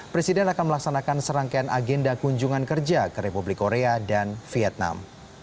presiden akan melaksanakan serangkaian agenda kunjungan kerja ke republik korea dan vietnam